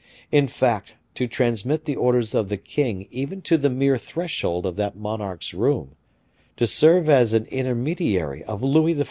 In fact, to transmit the orders of the king even to the mere threshold of that monarch's room, to serve as an intermediary of Louis XIV.